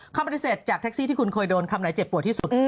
คำปฏิเสธจากแท็กซี่ที่คุณเคยโดนคำไหนเจ็บปวดที่สุด